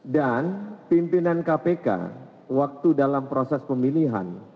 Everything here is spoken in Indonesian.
dan pimpinan kpk waktu dalam proses pemilihan